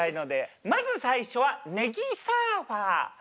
まず最初はねぎサーファー。